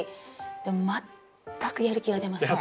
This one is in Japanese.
でも全くやる気が出ません！